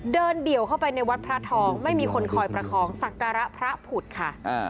เดี่ยวเข้าไปในวัดพระทองไม่มีคนคอยประคองสักการะพระผุดค่ะ